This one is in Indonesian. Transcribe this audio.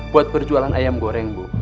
buat berjualan ayam goreng bu